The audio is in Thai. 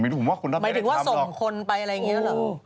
หมายถึงว่าส่งคนไปอะไรอย่างนี้แล้วเหรอ